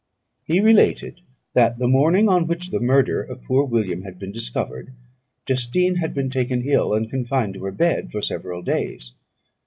He related that, the morning on which the murder of poor William had been discovered, Justine had been taken ill, and confined to her bed for several days.